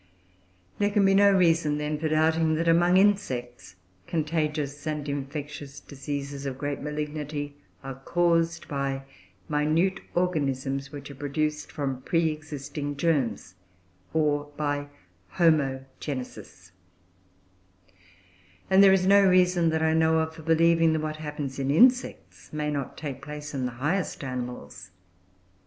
There can be no reason, then, for doubting that, among insects, contagious and infectious diseases, of great malignity, are caused by minute organisms which are produced from pre existing germs, or by homogenesis; and there is no reason, that I know of, for believing that what happens in insects may not take place in the highest animals.